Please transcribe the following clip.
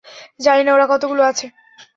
জানি না ওরা কতগুলো আছে।